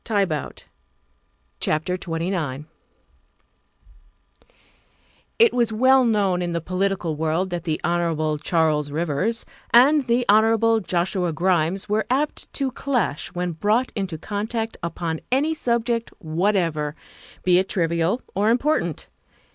THE SECRETARY OF STATE 279 XXIX IT was well known in the political world that the Hon. Charles Rivers and the Hon. Joshua Grimes were apt to clash when brought into contact upon any subject whatever, be it trivial or important.